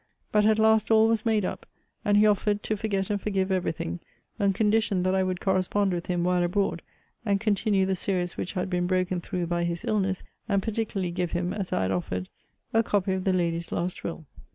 But, at last, all was made up, and he offered to forget and forgive every thing, on condition that I would correspond with him while abroad, and continue the series which had been broken through by his illness; and particularly give him, as I had offered, a copy of the lady's last will.